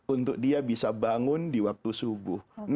untuk dia bisa bangun di waktu subuh